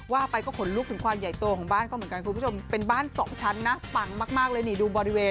ว่าไปก็ขนลุกถึงความใหญ่โตของบ้านเขาเหมือนกันคุณผู้ชมเป็นบ้านสองชั้นนะปังมากเลยนี่ดูบริเวณ